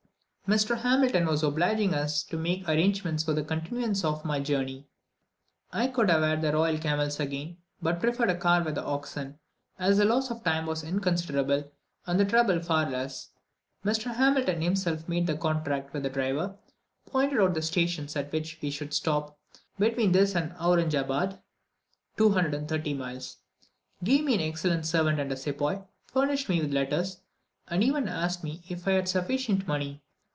Mr. Hamilton was so obliging as to make the arrangements for the continuance of my journey. I could have had the royal camels again, but preferred a car with oxen, as the loss of time was inconsiderable, and the trouble far less. Mr. Hamilton himself made the contract with the driver, pointed out the stations at which we should stop between this and Auranjabad (230 miles), gave me an excellent servant and sepoy, furnished me with letters, and even asked me if I had sufficient money.